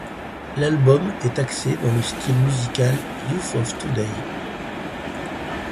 L'album est axé dans le style musical Youth of Today.